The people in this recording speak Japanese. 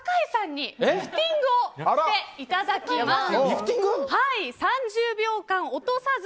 ３０秒間リフティングをしていただきます。